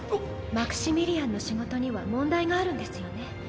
マクシミリアンの仕事には問題があるんですよね。